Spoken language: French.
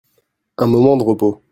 Un moment de repos.